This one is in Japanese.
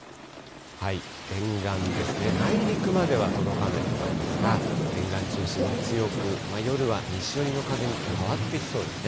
沿岸ですね、内陸までは届かないと思いますが、沿岸中心に強く、夜は西寄りの風に変わってきそうですね。